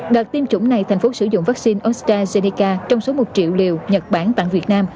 đợt tiêm chủng này tp hcm sử dụng vaccine astrazeneca trong số một triệu liều nhật bản tặng việt nam